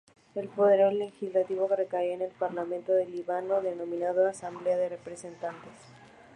El poder legislativo recae en el Parlamento del Líbano, denominado Asamblea de Representantes.